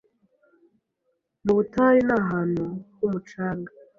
mu butayu ni ahantu h’umucanga,